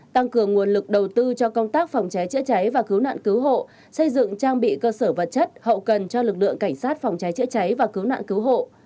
tăng cường nguồn lực đầu tư cho công tác phòng cháy chữa cháy và cứu nạn cứu hộ xây dựng trang bị cơ sở vật chất hậu cần cho lực lượng cảnh sát phòng cháy chữa cháy và cứu nạn cứu hộ